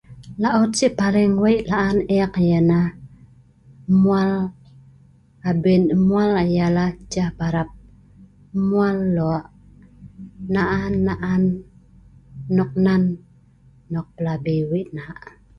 laot si' paling wei' la'an eek yalah emmwal abin emmwal yalah ceh parap emmwal lok na'an na'an noknan nok plabi wei' nak.